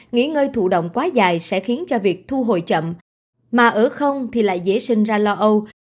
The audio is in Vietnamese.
nghỉ ngơi thụ động quá dài sẽ khiến cho việc thu hồi chậm mà ở không thì lại dễ sinh ra lo âu